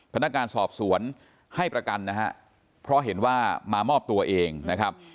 พนักงานสอบสวนให้ประกันนะฮะเพราะเห็นว่ามามอบตัวเองนะครับ